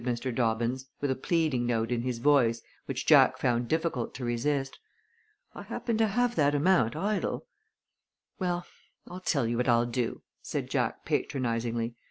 suggested Mr. Dobbins, with a pleading note in his voice which Jack found difficult to resist. "I happen to have that amount idle " "Well, I'll tell you what I'll do," said Jack, patronizingly.